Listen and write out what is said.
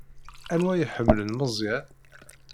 Anwa i iḥemmlen Meẓyan?